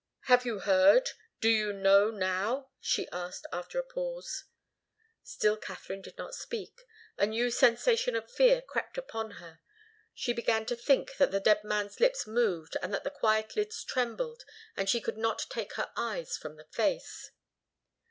"Have you heard? Do you know now?" she asked after a pause. Still Katharine did not speak. A new sensation of fear crept upon her. She began to think that the dead man's lips moved and that the quiet lids trembled, and she could not take her eyes from the face.